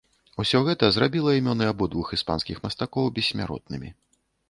Усё гэта зрабіла імёны абодвух іспанскіх мастакоў бессмяротнымі.